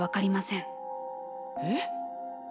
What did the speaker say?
えっ？